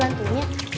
bapak aku beli bantunya